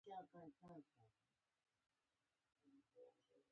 لمسی له خواږه خوبونو ډک وي.